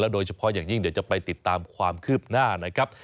โดยเฉพาะอย่างยิ่งเดี๋ยวจะไปติดตามความคืบหน้านะครับ